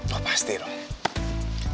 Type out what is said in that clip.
oh pasti dong